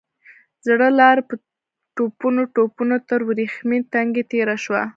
زړه لارۍ په ټوپونو ټوپونو تر ورېښمين تنګي تېره شوه.